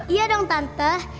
iya dong tante